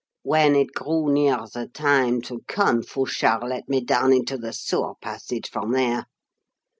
When it grew near the time to come, Fouchard let me down into the sewer passage from there.